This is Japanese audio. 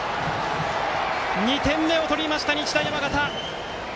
２点目を取りました、日大山形！